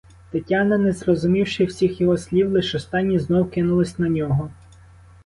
Тетяна, не зрозумівши всіх його слів, лиш останні, знов кинулась на нього.